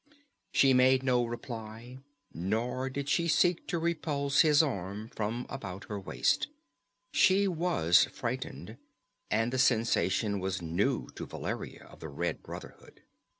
She made no reply, nor did she seek to repulse his arm from about her waist. She was frightened, and the sensation was new to Valeria of the Red Brotherhood.